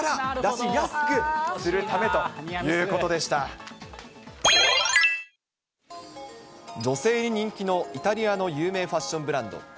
正解は、女性に人気のイタリアの有名ファッションブランド。